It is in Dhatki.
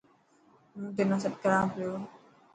هون تنا سڏ ڪران پيو.